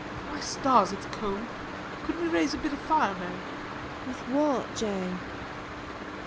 My stars, it's cold. Couldn't we raise a bit of fire, Mary? MARY. With what, Joe?